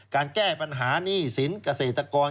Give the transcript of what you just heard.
การแก้ปัญหาหนี้สินเกษตรกร